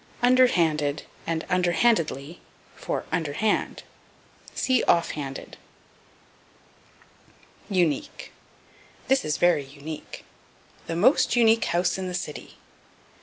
Under handed and Under handedly for Under hand. See Off handed. Unique. "This is very unique." "The most unique house in the city."